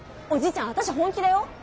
おじちゃん私本気だよ？